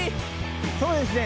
そうですね。